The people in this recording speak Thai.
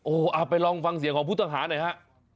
โอ้โหไปลองฟังเสียงของผู้ต้องหาหน่อยฮะ